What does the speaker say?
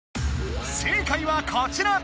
正解はこちら！